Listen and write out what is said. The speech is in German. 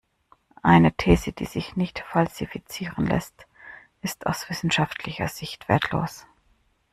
Eine These, die sich nicht falsifizieren lässt, ist aus wissenschaftlicher Sicht wertlos.